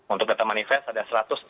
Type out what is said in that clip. untuk data manifest ada satu ratus enam puluh